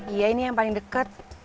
iya ini yang paling dekat